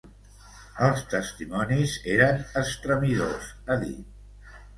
Els testimonis eren estremidors, ha dit.